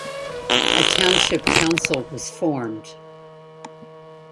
A township council was formed.